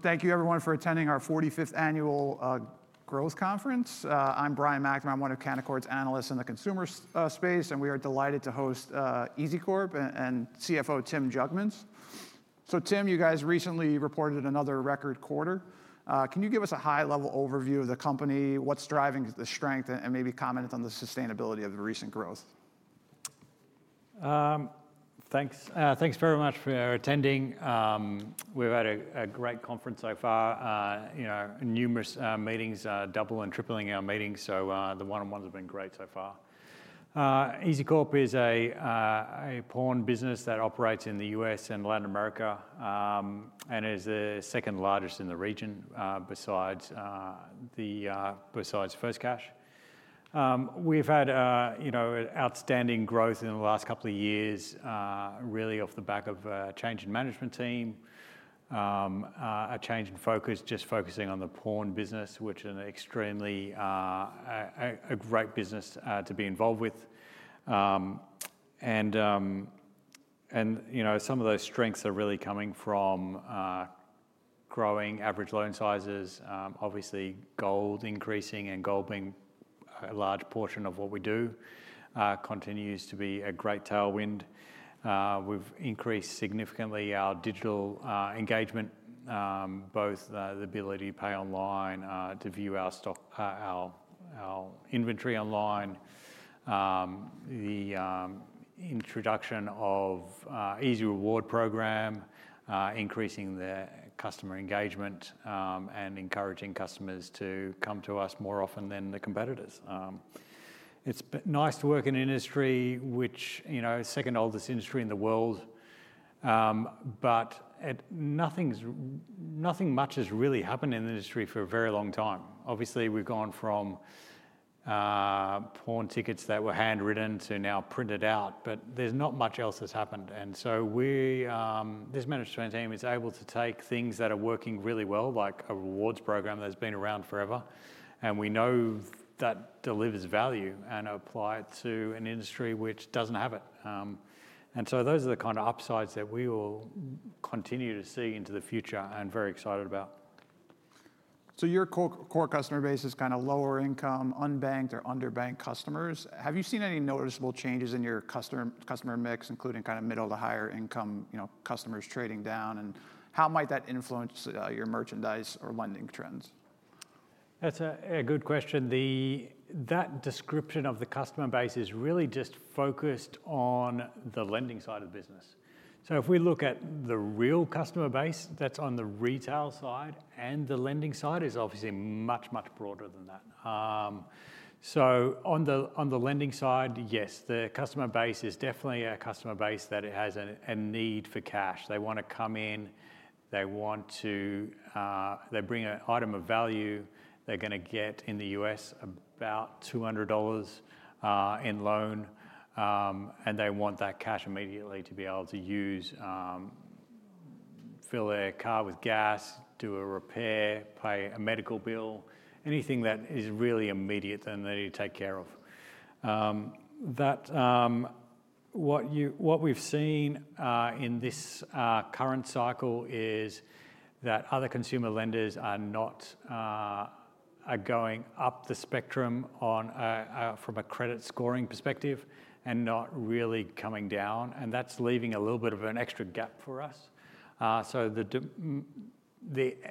Thank you, everyone, for attending our 45th annual Growth Conference. I'm Brian McNamara, one of Canaccord analysts in the consumer space, and we are delighted to host EZCORP and CFO Timothy Jugmans. Tim, you guys recently reported another record quarter. Can you give us a high-level overview of the company, what's driving the strength, and maybe comment on the sustainability of the recent growth? Thanks. Thanks very much for attending. We've had a great conference so far. Numerous meetings, doubling and tripling our meetings, so the one-on-ones have been great so far. EZCORP is a pawn business that operates in the U.S. and Latin America, and it is the second largest in the region besides FirstCash. We've had outstanding growth in the last couple of years, really off the back of a change in management team, a change in focus, just focusing on the pawn business, which is an extremely great business to be involved with. Some of those strengths are really coming from growing average loan sizes. Obviously, gold increasing and gold being a large portion of what we do continues to be a great tailwind. We've increased significantly our digital engagement, both the ability to pay online, to view our inventory online, the introduction of an EZ Rewards program, increasing the customer engagement, and encouraging customers to come to us more often than the competitors. It's nice to work in an industry which is the second oldest industry in the world, but nothing much has really happened in the industry for a very long time. Obviously, we've gone from pawn tickets that were handwritten to now printed out, but there's not much else that's happened. This management team is able to take things that are working really well, like a rewards program that's been around forever, and we know that delivers value and apply it to an industry which doesn't have it. Those are the kind of upsides that we will continue to see into the future and very excited about. Your core customer base is kind of lower-income, unbanked, or underbanked customers. Have you seen any noticeable changes in your customer mix, including kind of middle to higher income customers trading down? How might that influence your merchandise or lending trends? That's a good question. That description of the customer base is really just focused on the lending side of the business. If we look at the real customer base that's on the retail side and the lending side, it's obviously much, much broader than that. On the lending side, yes, the customer base is definitely a customer base that has a need for cash. They want to come in. They want to bring an item of value. They're going to get in the U.S. about $200 in loan, and they want that cash immediately to be able to use, fill their car with gas, do a repair, pay a medical bill, anything that is really immediate and they need to take care of. What we've seen in this current cycle is that other consumer lenders are going up the spectrum from a credit scoring perspective and not really coming down, and that's leaving a little bit of an extra gap for us.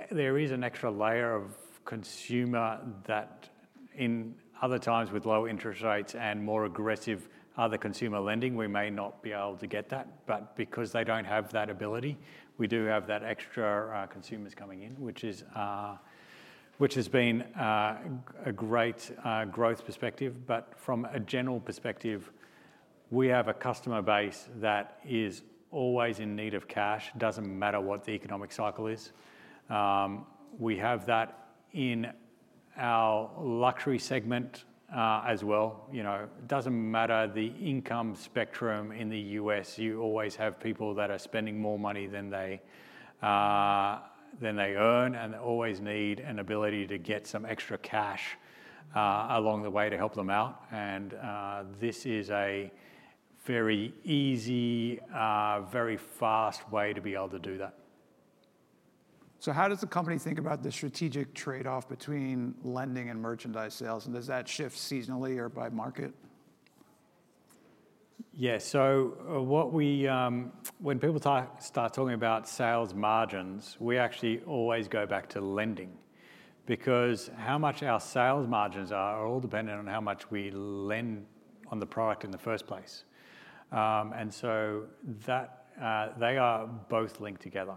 There is an extra layer of consumer that in other times with low interest rates and more aggressive other consumer lending, we may not be able to get that. Because they don't have that ability, we do have that extra consumers coming in, which has been a great growth perspective. From a general perspective, we have a customer base that is always in need of cash. It doesn't matter what the economic cycle is. We have that in our luxury segment as well. It doesn't matter the income spectrum in the U.S. You always have people that are spending more money than they earn and always need an ability to get some extra cash along the way to help them out. This is a very easy, very fast way to be able to do that. How does the company think about the strategic trade-off between lending and merchandise sales? Does that shift seasonally or by market? Yeah, so when people start talking about sales margins, we actually always go back to lending because how much our sales margins are all dependent on how much we lend on the product in the first place. They are both linked together.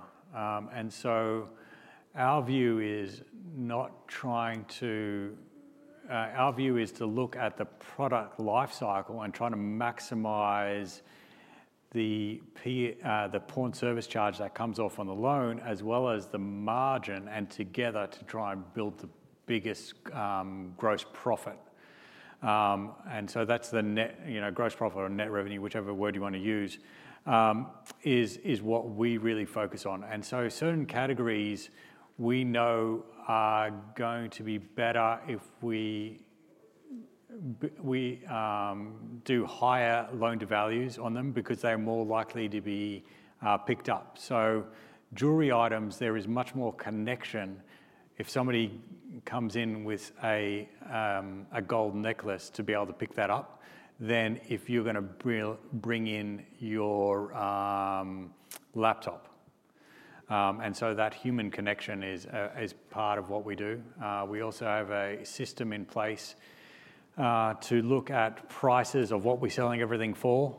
Our view is to look at the product lifecycle and try to maximize the pawn service charge that comes off on the loan, as well as the margin, and together to try and build the biggest gross profit. That's the net gross profit or net revenue, whichever word you want to use, is what we really focus on. Certain categories we know are going to be better if we do higher loan-to-values on them because they're more likely to be picked up. Jewelry items, there is much more connection. If somebody comes in with a gold necklace to be able to pick that up than if you're going to bring in your laptop. That human connection is part of what we do. We also have a system in place to look at prices of what we're selling everything for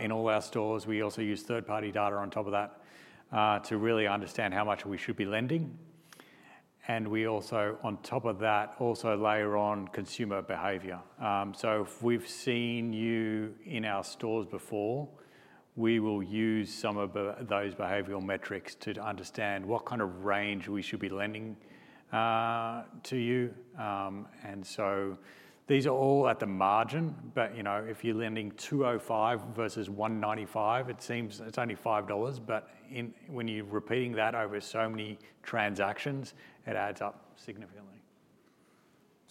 in all our stores. We also use third-party data on top of that to really understand how much we should be lending. We also, on top of that, layer on consumer behavior. If we've seen you in our stores before, we will use some of those behavioral metrics to understand what kind of range we should be lending to you. These are all at the margin, but you know, if you're lending $205 versus $195, it seems it's only $5. When you're repeating that over so many transactions, it adds up significantly.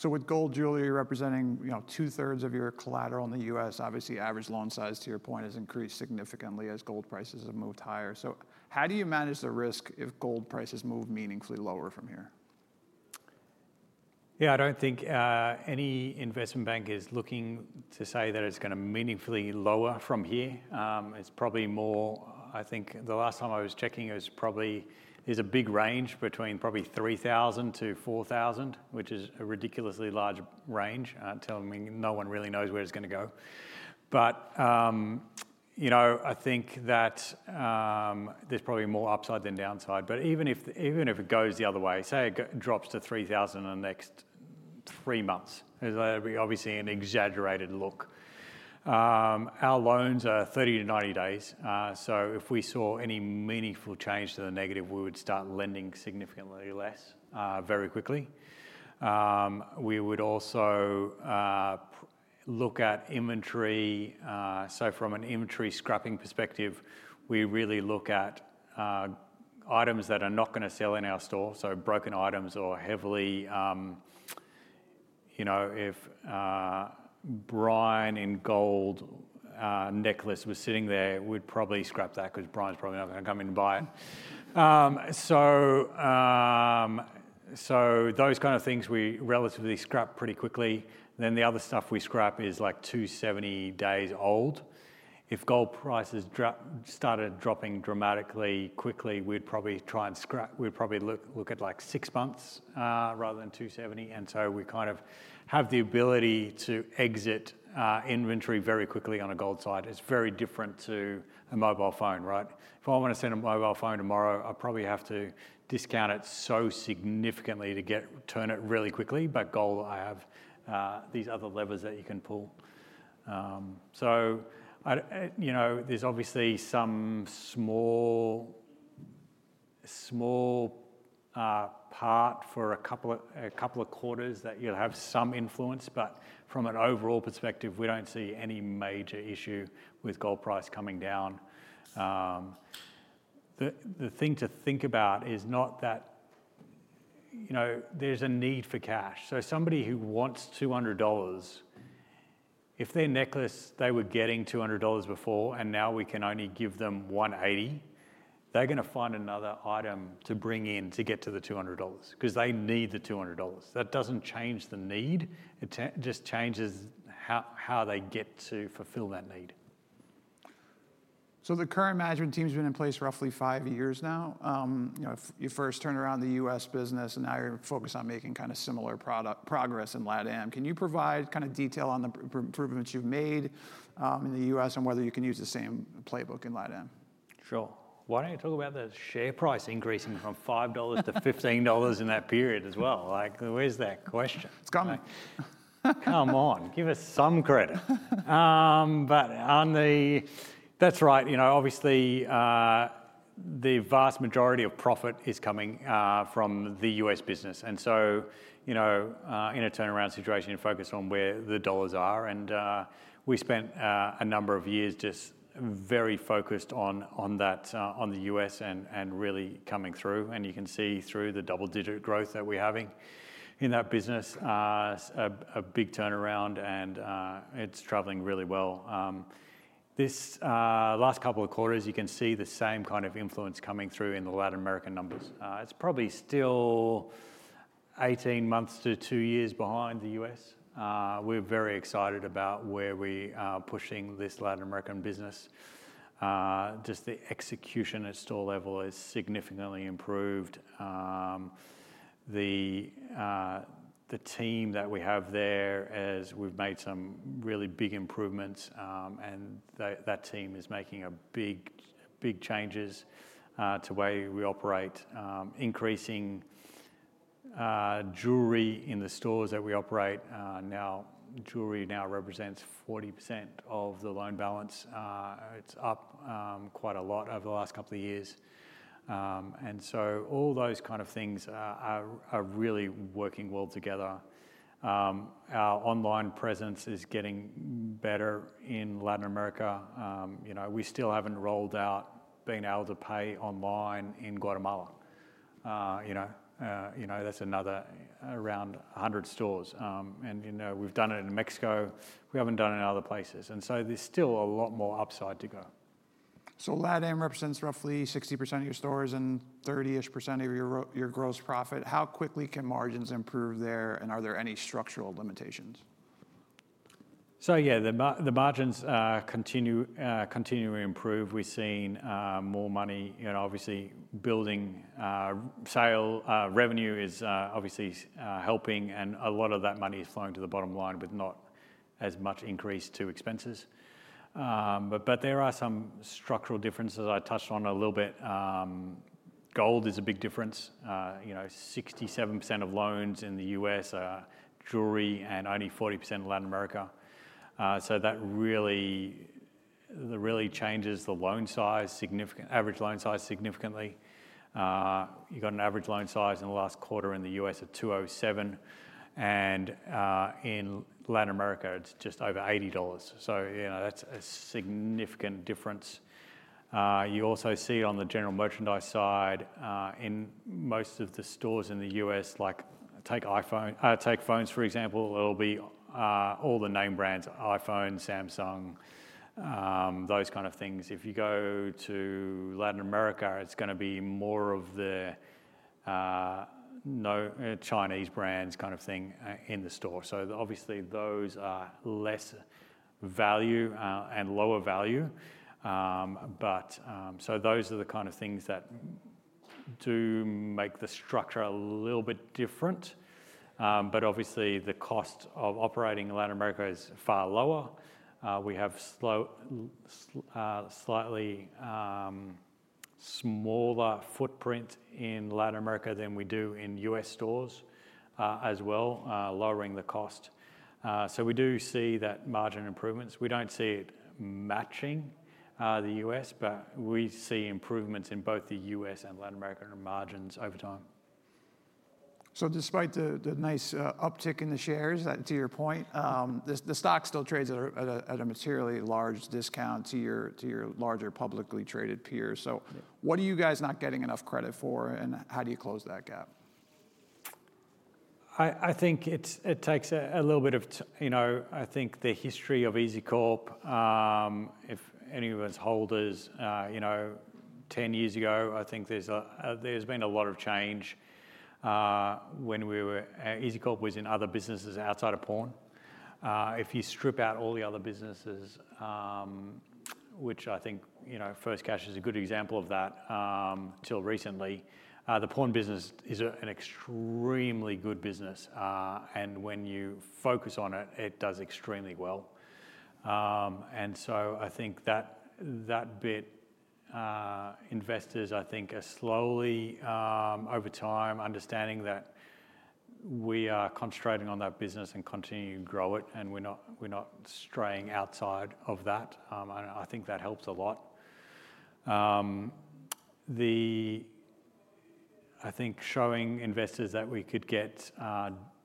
With gold jewelry representing, you know, 2/3 of your collateral in the U.S., obviously average loan size, to your point, has increased significantly as gold prices have moved higher. How do you manage the risk if gold prices move meaningfully lower from here? Yeah, I don't think any investment bank is looking to say that it's going to meaningfully lower from here. It's probably more, I think the last time I was checking, it was probably, there's a big range between probably $3,000 - $4,000, which is a ridiculously large range. I'm telling you, no one really knows where it's going to go. I think that there's probably more upside than downside. Even if it goes the other way, say it drops to $3,000 in the next three months, it'll be obviously an exaggerated look. Our loans are 30 - 90 days. If we saw any meaningful change to the negative, we would start lending significantly less very quickly. We would also look at inventory. From an inventory scrapping perspective, we really look at items that are not going to sell in our store. Broken items or heavily, you know, if Brian in gold necklace was sitting there, we'd probably scrap that because Brian's probably not going to come in and buy it. Those kind of things we relatively scrap pretty quickly. The other stuff we scrap is like 270 days old. If gold prices started dropping dramatically quickly, we'd probably try and scrap, we'd probably look at like six months rather than 270. We kind of have the ability to exit inventory very quickly on a gold side. It's very different to a mobile phone, right? If I want to send a mobile phone tomorrow, I probably have to discount it so significantly to turn it really quickly. Gold, I have these other levers that you can pull. There's obviously some small part for a couple of quarters that you'll have some influence. From an overall perspective, we don't see any major issue with gold price coming down. The thing to think about is not that, you know, there's a need for cash. Somebody who wants $200, if their necklace, they were getting $200 before, and now we can only give them $180, they're going to find another item to bring in to get to the $200 because they need the $200. That doesn't change the need. It just changes how they get to fulfill that need. The current management team's been in place roughly five years now. You first turned around the U.S. business, and now you're focused on making kind of similar progress in Latin America. Can you provide kind of detail on the improvements you've made in the U.S. and whether you can use the same playbook in Latin America? Sure. Why don't you talk about the share price increasing from $5 - $15 in that period as well? Like, where's that question? It's coming. Come on, give us some credit. That's right, you know, obviously the vast majority of profit is coming from the U.S. business. In a turnaround situation, you focus on where the dollars are. We spent a number of years just very focused on that, on the U.S. and really coming through. You can see through the double-digit growth that we're having in that business, a big turnaround, and it's traveling really well. These last couple of quarters, you can see the same kind of influence coming through in the Latin American numbers. It's probably still 18 months to two years behind the U.S. We're very excited about where we are pushing this Latin American business. The execution at store level is significantly improved. The team that we have there, we've made some really big improvements, and that team is making big, big changes to the way we operate. Increasing jewelry in the stores that we operate. Jewelry now represents 40% of the loan balance. It's up quite a lot over the last couple of years. All those kind of things are really working well together. Our online presence is getting better in Latin America. We still haven't rolled out being able to pay online in Guatemala. That's another around 100 stores. We've done it in Mexico. We haven't done it in other places. There's still a lot more upside to go. LatAm represents roughly 60% of your stores and 30% of your gross profit. How quickly can margins improve there, and are there any structural limitations? Yeah, the margins continue to improve. We've seen more money, obviously building sale revenue is obviously helping, and a lot of that money is flowing to the bottom line with not as much increase to expenses. There are some structural differences I touched on a little bit. Gold is a big difference. 67% of loans in the U.S. are jewelry and only 40% in Latin America. That really changes the loan size, significant average loan size significantly. You've got an average loan size in the last quarter in the U.S. at $207, and in Latin America, it's just over $80. That's a significant difference. You also see on the general merchandise side in most of the stores in the U.S., like take phones, for example, it'll be all the name brands, iPhone, Samsung, those kind of things. If you go to Latin America, it's going to be more of the Chinese brands kind of thing in the store. Obviously those are less value and lower value. Those are the kind of things that do make the structure a little bit different. Obviously the cost of operating in Latin America is far lower. We have a slightly smaller footprint in Latin America than we do in U.S. stores as well, lowering the cost. We do see that margin improvements. We don't see it matching the U.S., but we see improvements in both the U.S. and Latin America margins over time. Despite the nice uptick in the shares, to your point, the stock still trades at a materially large discount to your larger publicly traded peers. What are you guys not getting enough credit for, and how do you close that gap? I think it takes a little bit of, you know, I think the history of EZCORP, if any of us holders, you know, 10 years ago, I think there's been a lot of change when EZCORP was in other businesses outside of pawn. If you strip out all the other businesses, which I think, you know, FirstCash is a good example of that, until recently, the pawn business is an extremely good business. When you focus on it, it does extremely well. I think that bit, investors, I think, are slowly, over time, understanding that we are concentrating on that business and continuing to grow it, and we're not straying outside of that. I think that helps a lot. I think showing investors that we could get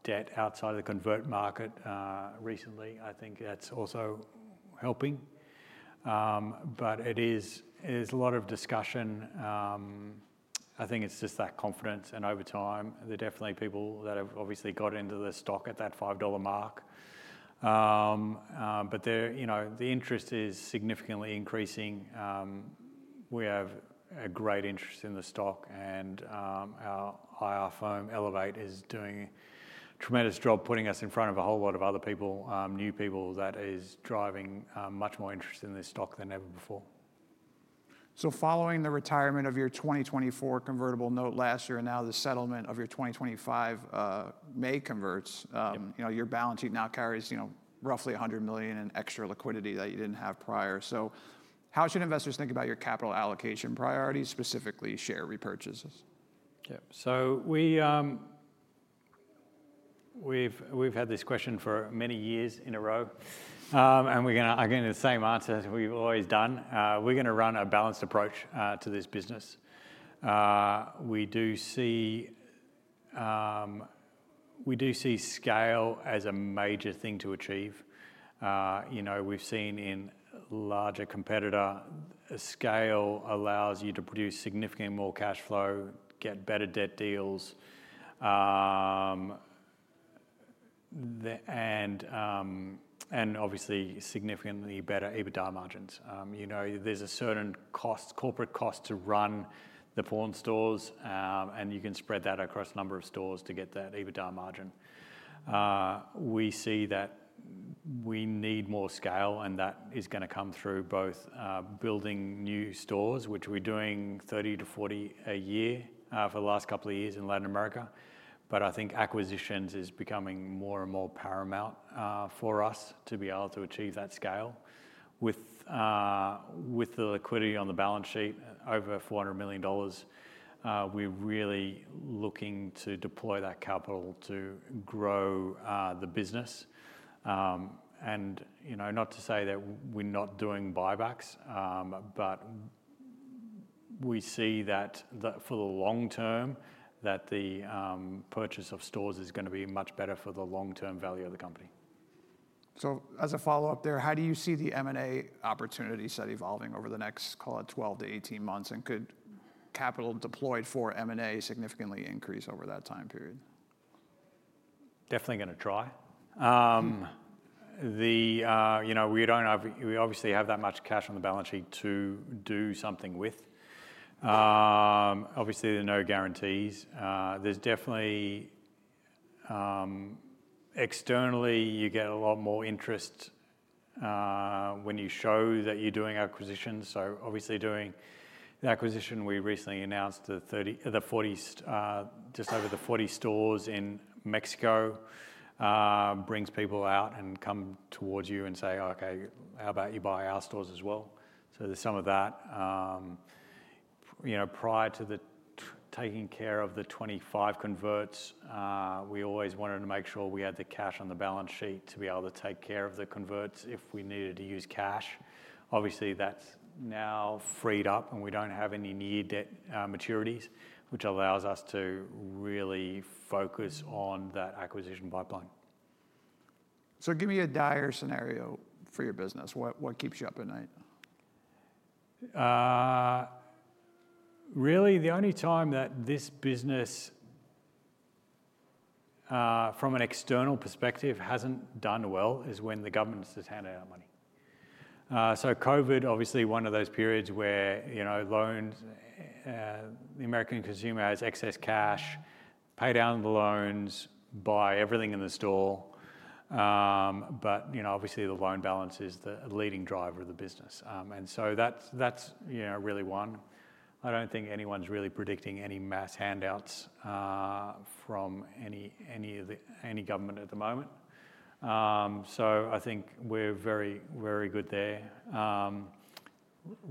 debt outside of the convert market recently, I think that's also helping. It is a lot of discussion. I think it's just that confidence, and over time, there are definitely people that have obviously got into the stock at that $5 mark. The interest is significantly increasing. We have a great interest in the stock, and our iPhone Elevate is doing a tremendous job putting us in front of a whole lot of other people, new people that are driving much more interest in this stock than ever before. Following the retirement of your 2024 convertible notes last year, and now the settlement of your 2025 May converts, your balance sheet now carries roughly $100 million in extra liquidity that you didn't have prior. How should investors think about your capital allocation priorities, specifically share repurchases? Yep. We've had this question for many years in a row, and I'm going to say the same answer as we've always done. We're going to run a balanced approach to this business. We do see scale as a major thing to achieve. We've seen in larger competitors, scale allows you to produce significantly more cash flow, get better debt deals, and obviously significantly better EBITDA margins. There's a certain corporate cost to run the pawn stores, and you can spread that across a number of stores to get that EBITDA margin. We see that we need more scale, and that is going to come through both building new stores, which we're doing 30 to 40 a year for the last couple of years in Latin America. I think acquisitions are becoming more and more paramount for us to be able to achieve that scale. With the liquidity on the balance sheet over $400 million, we're really looking to deploy that capital to grow the business. Not to say that we're not doing buybacks, but we see that for the long term, the purchase of stores is going to be much better for the long-term value of the company. As a follow-up there, how do you see the M&A opportunities that are evolving over the next, call it, 12 to 18 months? Could capital deployed for M&A significantly increase over that time period? Definitely going to try. We obviously have that much cash on the balance sheet to do something with. Obviously, there are no guarantees. Externally, you get a lot more interest when you show that you're doing acquisitions. Doing the acquisition we recently announced of just over 40 stores in Mexico brings people out and come towards you and say, "Okay, how about you buy our stores as well?" There is some of that. Prior to taking care of the $25 million converts, we always wanted to make sure we had the cash on the balance sheet to be able to take care of the converts if we needed to use cash. That's now freed up and we don't have any near-debt maturities, which allows us to really focus on that acquisition pipeline. Give me a dire scenario for your business. What keeps you up at night? Really, the only time that this business, from an external perspective, hasn't done well is when the government has just handed out money. COVID, obviously, was one of those periods where loans, the American consumer has excess cash, pay down the loans, buy everything in the store. Obviously, the loan balance is the leading driver of the business. That's really one. I don't think anyone's really predicting any mass handouts from any government at the moment. I think we're very, very good there.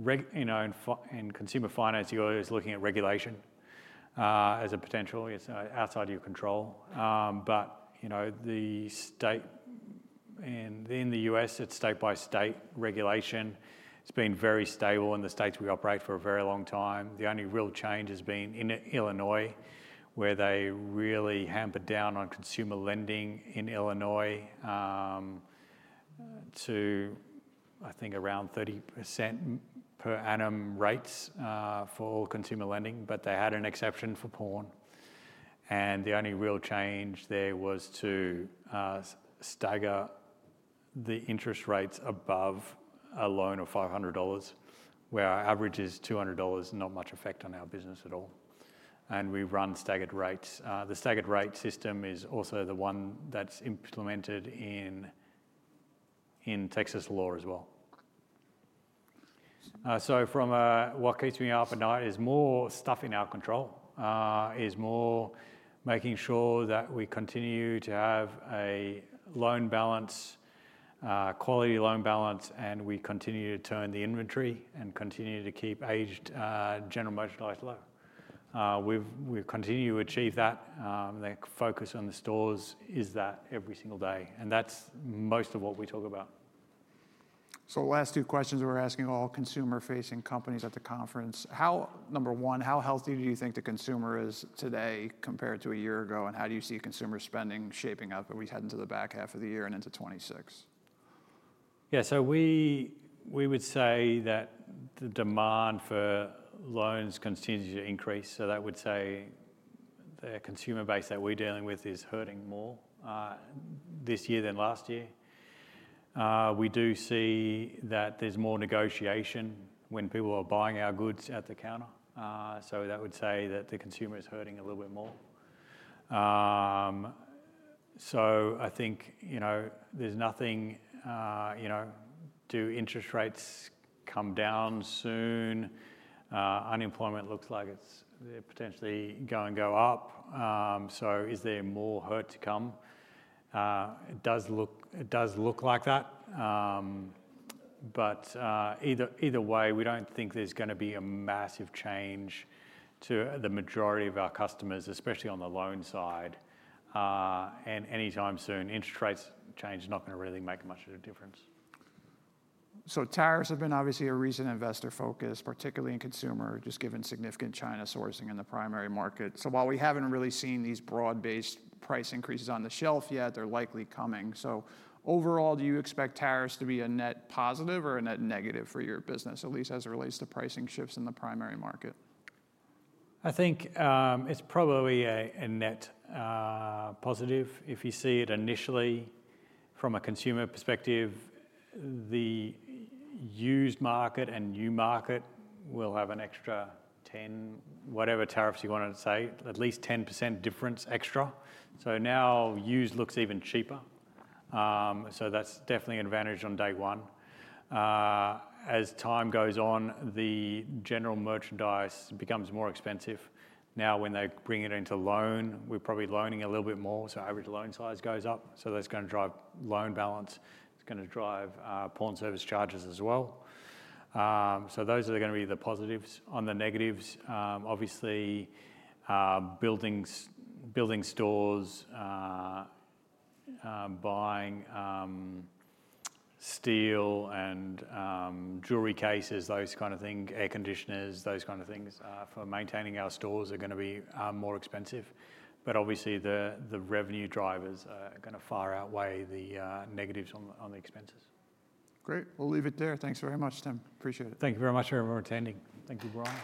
In consumer finance, you're always looking at regulation as a potential, it's outside your control. In the U.S., it's state-by-state regulation. It's been very stable in the states we operate for a very long time. The only real change has been in Illinois, where they really hampered down on consumer lending in Illinois to, I think, around 30% per annum rates for all consumer lending. They had an exception for pawn. The only real change there was to stagger the interest rates above a loan of $500, where our average is $200, not much effect on our business at all. We've run staggered rates. The staggered rate system is also the one that's implemented in Texas law as well. What keeps me up at night is more stuff in our control, making sure that we continue to have a loan balance, quality loan balance, and we continue to turn the inventory and continue to keep aged general merchandise low. We continue to achieve that. The focus on the stores is that every single day. That's most of what we talk about. The last two questions we're asking all consumer-facing companies at the conference. Number one, how healthy do you think the consumer is today compared to a year ago? How do you see consumer spending shaping up as we head into the back half of the year and into 2026? Yeah, we would say that the demand for loans continues to increase. That would say the consumer base that we're dealing with is hurting more this year than last year. We do see that there's more negotiation when people are buying our goods at the counter. That would say that the consumer is hurting a little bit more. I think there's nothing, you know, do interest rates come down soon? Unemployment looks like it's potentially going to go up. Is there more hurt to come? It does look like that. Either way, we don't think there's going to be a massive change to the majority of our customers, especially on the loan side. Anytime soon, interest rates change is not going to really make much of a difference. Tariffs have been obviously a recent investor focus, particularly in consumer, just given significant China sourcing in the primary market. While we haven't really seen these broad-based price increases on the shelf yet, they're likely coming. Overall, do you expect tariffs to be a net positive or a net negative for your business, at least as it relates to pricing shifts in the primary market? I think it's probably a net positive if you see it initially. From a consumer perspective, the used market and new market will have an extra 10, whatever tariffs you want to say, at least 10% difference extra. Now used looks even cheaper. That's definitely an advantage on day one. As time goes on, the general merchandise becomes more expensive. When they bring it into loan, we're probably loaning a little bit more. Average loan size goes up. That's going to drive loan balance. It's going to drive pawn service charges as well. Those are going to be the positives. On the negatives, obviously, buildings, building stores, buying steel and jewelry cases, those kind of things, air conditioners, those kind of things for maintaining our stores are going to be more expensive. Obviously, the revenue drivers are going to far outweigh the negatives on the expenses. Great. We'll leave it there. Thanks very much, Tim. Appreciate it. Thank you very much for attending. Thank you, Brian.